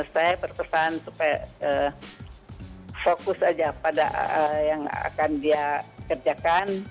saya berpesan supaya fokus aja pada yang akan dia kerjakan